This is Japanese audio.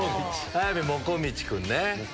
速水もこみち君ね。